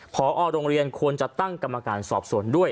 พอโรงเรียนควรจะตั้งกรรมการสอบสวนด้วย